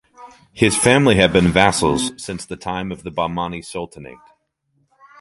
His family had been vassals since the time of the Bahmani Sultanate.